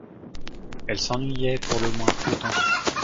«Elle s'ennuyait, pour le moins, autant que moi.